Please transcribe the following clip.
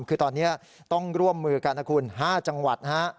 คือตอนนี้ต้องร่วมมือกันนะคุณ๕จังหวัดนะฮะ